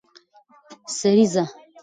سريزه